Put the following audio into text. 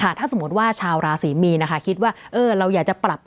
ถ้าสมมติว่าชาวราศรีมีนนะคะคิดว่าเราอยากจะปรับ